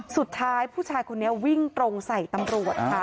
สุดท้ายผู้ชายคนนี้วิ่งตรงใส่ตำรวจค่ะ